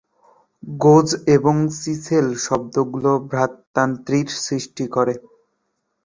"গোজ" এবং "চিসেল" শব্দগুলো বিভ্রান্তির সৃষ্টি করে।